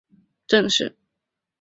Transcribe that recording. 生母孝明皇后郑氏。